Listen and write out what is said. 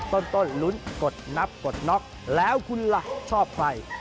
ต้นลุ้นกดนับกดน็อกแล้วคุณล่ะชอบใคร